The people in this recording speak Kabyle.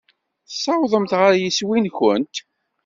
Tessawḍemt ɣer yeswi-nwent.